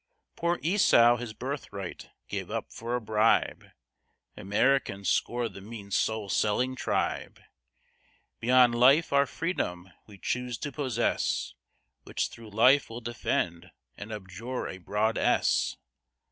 Poor Esau his birthright gave up for a bribe, Americans scorn th' mean soul selling tribe; Beyond life our freedom we chuse to possess, Which thro' life we'll defend, and abjure a broad S.